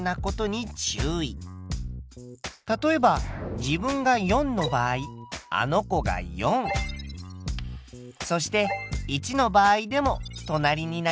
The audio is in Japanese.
例えば自分が４の場合あの子が４そして１の場合でも隣になります。